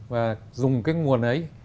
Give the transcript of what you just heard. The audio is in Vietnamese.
và dùng cái nguồn ấy